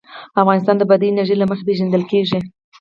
افغانستان د بادي انرژي له مخې پېژندل کېږي.